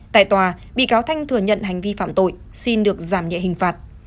tại tòa bị cáo thanh thừa nhận hành vi phạm tội xin được giảm nhẹ hình phạt